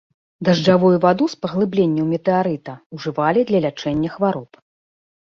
Дажджавую ваду з паглыбленняў метэарыта ўжывалі для лячэння хвароб.